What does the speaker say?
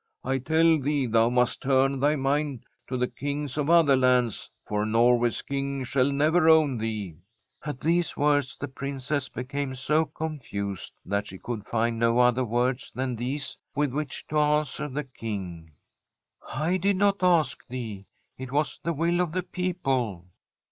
I tell thee thou must turn, thy mind to the Kings of other lands, for Norway's King shall ne\*er own thee." • At these words the Princess became so con fused that she could find no other words than these with which to answer the King: *" I did not ask thee ; it was the will of the people."